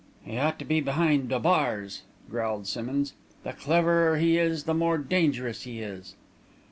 "He ought to be behind the bars," growled Simmonds. "The cleverer he is, the more dangerous he is."